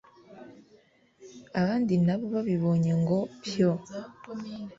abandi nabo babibonye ngo pyo